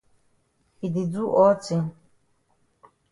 E di do all tin.